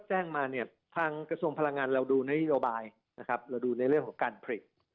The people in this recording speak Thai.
แจ้งมาเนี่ยทางกระทรวงพลังงานเราดูนโยบายนะครับเราดูในเรื่องของการผลิต